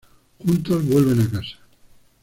Juntos vuelven a casa.